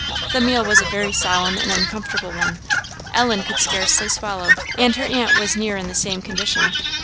The meal was a very solemn and uncomfortable one. Ellen could scarcely swallow, and her aunt was near in the same condition.